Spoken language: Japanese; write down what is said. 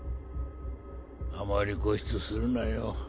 あまり固執するなよ。